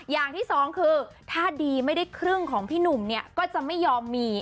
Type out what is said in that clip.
อย่างที่สองคือถ้าดีไม่ได้ครึ่งของพี่หนุ่มเนี่ยก็จะไม่ยอมมี